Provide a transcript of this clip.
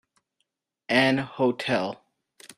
An hotel.